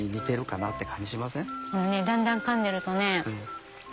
だんだんかんでるとね。